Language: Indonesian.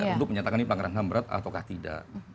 untuk menyatakan ini pelanggaran ham berat atau tidak